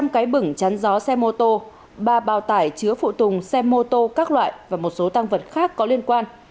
một trăm linh cái bửng chắn gió xe mô tô ba bào tải chứa phụ tùng xe mô tô các loại và một số tăng vật khác có liên quan